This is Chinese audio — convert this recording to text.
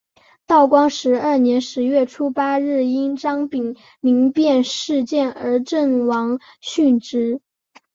道光十二年十月初八日因张丙民变事件而阵亡殉职。